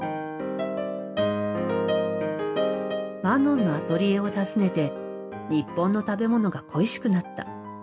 マノンのアトリエを訪ねて日本の食べ物が恋しくなった。